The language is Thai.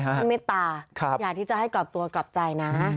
ให้เมตตาอยากที่จะให้กลับตัวกลับใจนะ